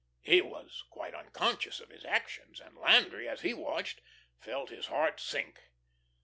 He was quite unconscious of his actions, and Landry as he watched, felt his heart sink.